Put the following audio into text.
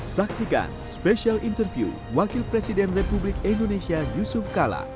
saksikan spesial interview wakil presiden republik indonesia yusuf kala